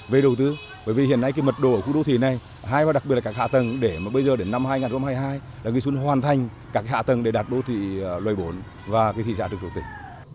về đầu tư bởi vì hiện nay cái mật độ ở khu đô thị này hai và đặc biệt là các hạ tầng để mà bây giờ đến năm hai nghìn hai mươi hai là nghi xuân hoàn thành các hạ tầng để đạt đô thị loài bổn và cái thị xã trực thổ tỉnh